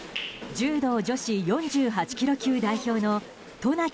柔道女子４８ｋｇ級代表の渡名喜